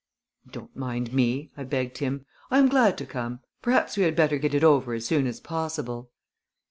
"Don't mind me," I begged him. "I am glad to come. Perhaps we had better get it over as soon as possible."